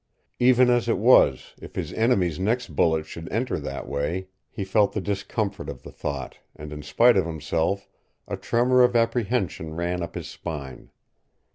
Even as it was, if his enemy's next bullet should enter that way He felt the discomfort of the thought, and in spite of himself a tremor of apprehension ran up his spine.